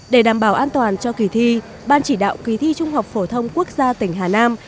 để đảm bảo an toàn cho kỳ thi ban chỉ đạo kỳ thi trung học phổ thông quốc gia tỉnh hà nam